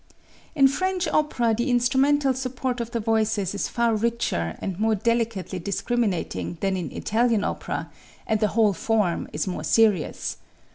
In French opera the instrumental support of the voices is far richer and more delicately discriminating than in Italian opera, and the whole form is more serious.